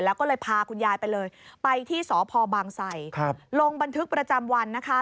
แล้วก็เลยพาคุณยายไปเลยไปที่สพบางไสลงบันทึกประจำวันนะคะ